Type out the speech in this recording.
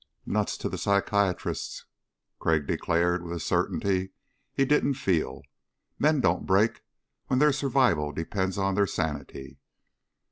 "Nuts to the psychiatrists," Crag declared with a certainty he didn't feel. "Men don't break when their survival depends on their sanity."